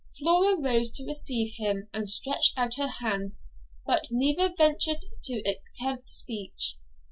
Flora rose to receive him, and stretched out her hand, but neither ventured to attempt speech.